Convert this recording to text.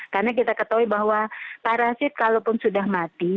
karena kita ketahui bahwa parasit kalaupun sudah mati